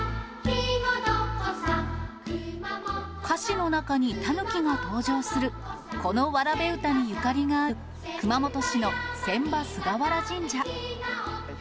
歌詞の中にタヌキが登場するこのわらべ唄にゆかりがある熊本市の船場菅原神社。